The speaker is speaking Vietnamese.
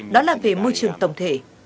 đó là về môi trường tổng thể